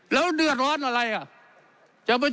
แล้วเดือดร้อนอะไรอ่ะ